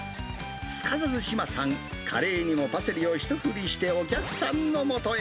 すかさず志麻さん、カレーにもパセリを一振りしてお客さんのもとへ。